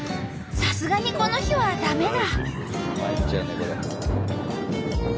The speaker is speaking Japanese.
さすがにこの日は駄目だ。